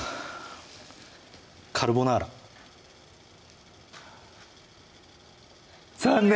カルボナーラ残念！